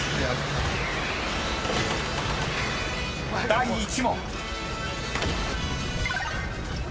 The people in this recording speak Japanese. ［第１問］